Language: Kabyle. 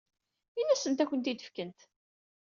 Ini-asent ad ak-tent-id-fkent.